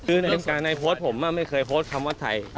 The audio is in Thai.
คือในโพสต์ผมไม่เคยโพสต์คำว่าไทย